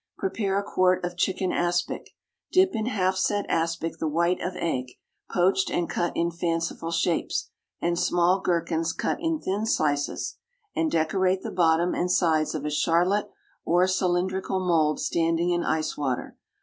Prepare a quart of chicken aspic. Dip in half set aspic the white of egg, poached and cut in fanciful shapes, and small gherkins cut in thin slices, and decorate the bottom and sides of a charlotte or cylindrical mould standing in ice water.